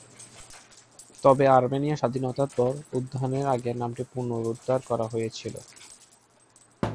তবে, আর্মেনিয়া স্বাধীনতার পর, উদ্যানের আগের নামটি পুনরুদ্ধার করা হয়েছিল।